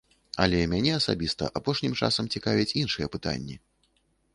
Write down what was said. Але мяне асабіста апошнім часам цікавяць іншыя пытанні.